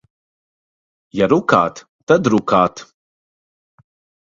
Ja rukāt, tad rukāt.